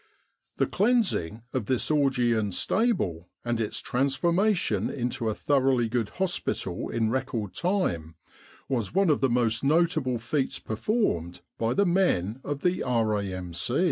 The cleansing of this Augean stable and its transfor mation into a thoroughly good hospital in record time, was one of the most notable feats performed by the men of the R.A.M.